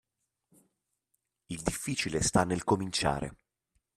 Il difficile sta nel cominciare.